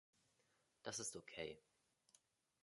Das ist okay.